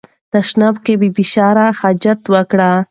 تشناب کې بې فشار حاجت وکړئ.